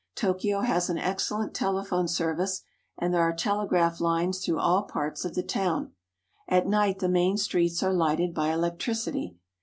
Tokyo has an excellent telephone service, and there are telegraph lines through all parts of the town. At night the main streets are lighted by electricity.